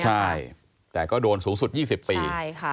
ใช่แต่ก็โดนสูงสุด๒๐ปี